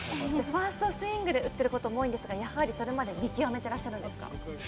ファーストスイングで打っていることも多いんですが、それまで見極めていらっしゃるんですか？